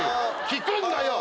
聞くんだよ！